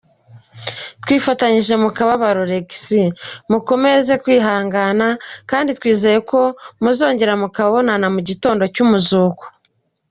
twifatanyije mu kababaro Regis, mukomeze kwihangana, kd twizeye ko muzongera mukabonana mugitondo cyumuzuko.